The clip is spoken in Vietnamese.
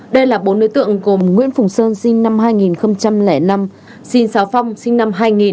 đây là bốn nơi tượng của nguyễn phùng sơn sinh năm hai nghìn năm sinh sáo phong sinh năm hai nghìn